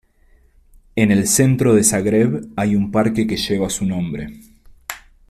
En el centro de Zagreb hay un parque que lleva su nombre.